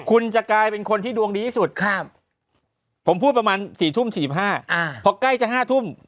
คุณจะกลายเป็นคนที่ดวงดีที่สุดผมพูดประมาณ๔ทุ่ม๔๕พอใกล้จะ๕ทุ่ม